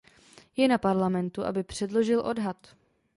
Je na Parlamentu, aby předložil odhad.